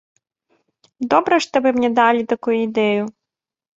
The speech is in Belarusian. Добра, што вы мне далі такую ідэю.